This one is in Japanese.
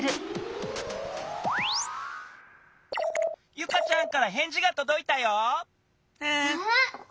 ユカちゃんからへんじがとどいたよ。わ！